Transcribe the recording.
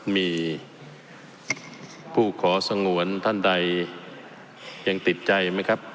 มีผู้ขอสงวนท่านใดยังติดใจไหมครับ